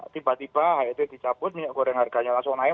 tiba tiba itu dicabut minyak goreng harganya langsung naik